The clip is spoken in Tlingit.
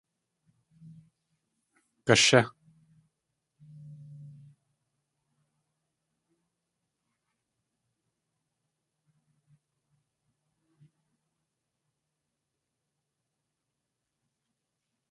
Gashí!